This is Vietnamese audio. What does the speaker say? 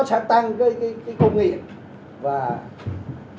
nó sẽ tăng công nghiệp